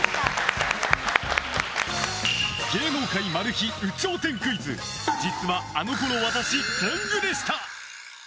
芸能界マル秘有頂天クイズ実はあの頃わたし天狗でした。